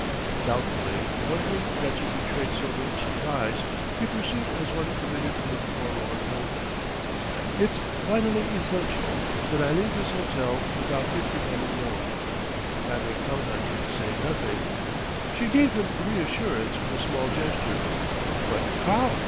Doubtfully, wondering that she betrayed so little surprise, he pursued as one committed to a forlorn hope: "It's vitally essential that I leave this hotel without it becoming known. If I may count on you to say nothing " She gave him reassurance with a small gesture. "But how?"